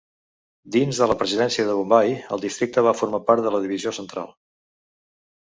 Dins de la presidència de Bombai el districte va formar part de la divisió Central.